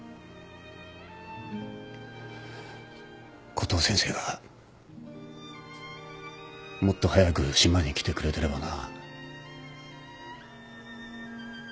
コトー先生がもっと早く島に来てくれてればな。